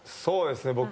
そうですね